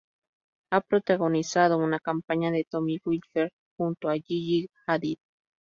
Ha protagonizado una campaña de Tommy Hilfiger junto a Gigi Hadid.